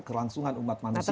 kelangsungan umat manusia